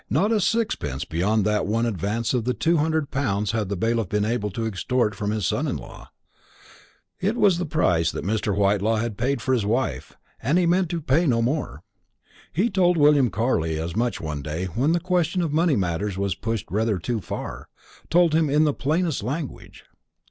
Not a sixpence beyond that one advance of the two hundred pounds had the bailiff been able to extort from his son in law. It was the price that Mr. Whitelaw had paid for his wife, and he meant to pay no more. He told William Carley as much one day when the question of money matters was pushed rather too far told him in the plainest language.